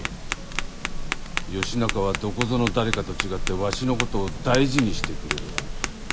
義仲はどこぞの誰かと違ってわしのことを大事にしてくれるわ。